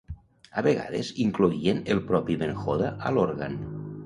A vegades incloïen el propi Venhoda a l'òrgan.